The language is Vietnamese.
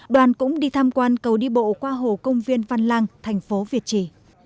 đoàn cũng đi tham quan cầu đi bộ qua hồ công viên văn lang thành phố việt trì